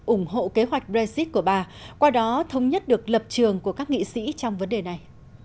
ủng hộ kế hoạch brexit của bà qua đó thống nhất được lập trường của các nghị sĩ trong vấn đề này